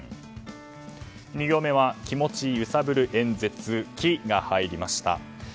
２行目は気持ち揺さぶる演説「キ」が入りました。